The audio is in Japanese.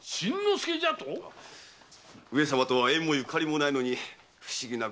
上様とは縁もゆかりもないのに不思議な偶然でございますな。